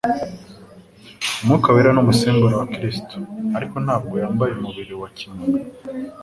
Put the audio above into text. Umwuka Wera ni umusimbura wa Kristo, ariko ntabwo yambaye umubiri wa kimuntu